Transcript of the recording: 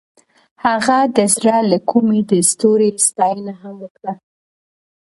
هغې د زړه له کومې د ستوري ستاینه هم وکړه.